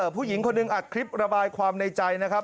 ผู้หญิงคนหนึ่งอัดคลิประบายความในใจนะครับ